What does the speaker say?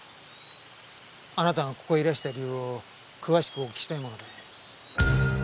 あなたがここへいらした理由を詳しくお聞きしたいもので。